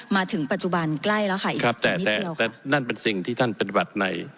มาถึงปัจจุบันใกล้แล้วค่ะอีกครับแต่นี่นั่นเป็นสิ่งที่ท่านเป็นหวัดใน